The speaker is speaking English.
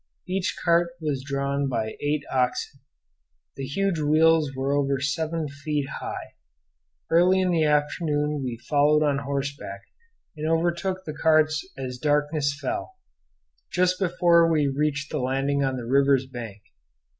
Each cart was drawn by eight oxen. The huge wheels were over seven feet high. Early in the afternoon we followed on horseback, and overtook the carts as darkness fell, just before we reached the landing on the river's bank.